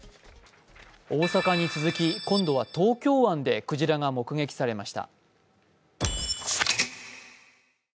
大阪に続き、今度は東京湾でクジラが目撃されました。